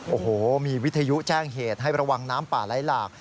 โอ้โหมีวิทยุแจ้งเหตุให้ระวังน้ำป่าไหลหลาก